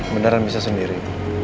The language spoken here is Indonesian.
beneran bisa sendiri